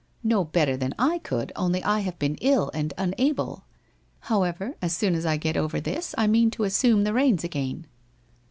Xo better than I could, only I have been ill and unable. ... However, as soon as I get over this, I mean to assume the reins again.'